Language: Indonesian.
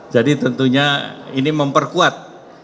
jadi tentunya ini memperkuat